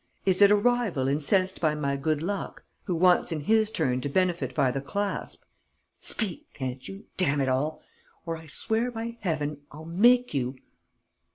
Is it a rival incensed by my good luck, who wants in his turn to benefit by the clasp? Speak, can't you, damn it all ... or, I swear by Heaven, I'll make you!..."